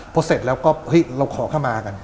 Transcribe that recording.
พอเสร็จแล้วก็เฮ้ยเราขอเข้ามากัน